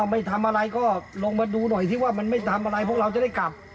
ไม่ทำอะไรก็ลองมาดูหน่อยสิว่ามันไม่ทำอะไรพวกเราจะได้กลับ